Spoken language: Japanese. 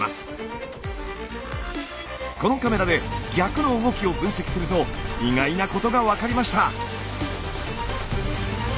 このカメラで逆の動きを分析すると意外なことが分かりました。